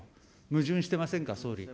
矛盾してませんか、総理。